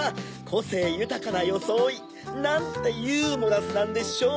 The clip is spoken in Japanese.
こせいゆたかなよそおい！なんてユーモラスなんでしょう！